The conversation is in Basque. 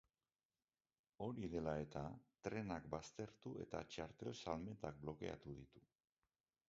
Hori dela eta, trenak baztertu eta txartel salmentak blokeatu ditu.